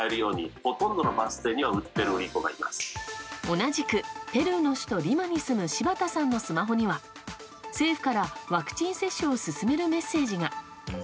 同じくペルーの首都リマに住む柴田さんのスマホには政府からワクチン接種を勧めるメッセージが。